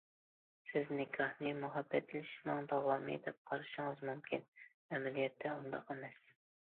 سىز نىكاھنى مۇھەببەتلىشىشنىڭ داۋامى دەپ قارىشىڭىز مۇمكىن، ئەمەلىيەتتە ئۇنداق ئەمەس.